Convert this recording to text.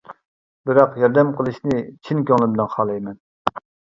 بىراق ياردەم قىلىشنى چىن كۆڭلۈمدىن خالايمەن.